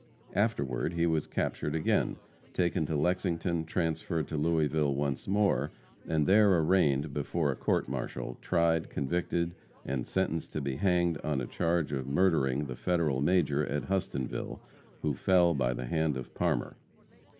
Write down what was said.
Afterward he was captured again, taken to Lexington, transferred to Louisville once more, and there arraigned before a court martial, tried, convicted and sentenced to be hanged on a charge of murdering the Federal major at Hustonville, who fell by the hand of Parmer.